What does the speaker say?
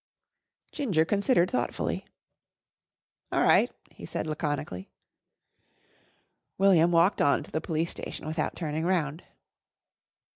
Ginger considered thoughtfully. "All right," he said laconically. William walked on to the Police Station without turning round.